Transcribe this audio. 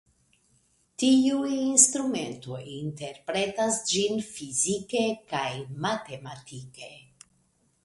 Tiuj instrumentoj interpretas ĝin fizike kaj matematike.